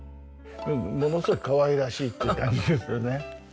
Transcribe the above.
ものすごいかわいらしいっていう感じですよね。